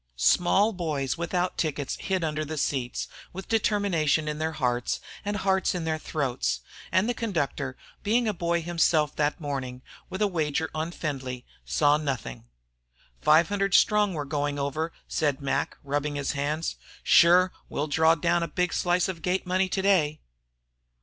Small boys without tickets hid under the seats, with determination in their hearts and hearts in their throats. And the conductor, being a boy himself that morning, with a wager on Findlay, saw nothing. "Five hundred strong we're goin' Over," said Mac, rubbing his hands. "Shure we'll draw down a big slice of gate money today."